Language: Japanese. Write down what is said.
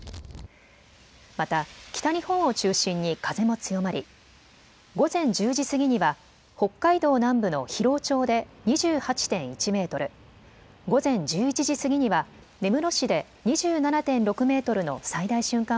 また北日本を中心に風も強まり午前１０時過ぎには北海道南部の広尾町で２８．１メートル、午前１１時過ぎには根室市で２７．６メートルの最大瞬間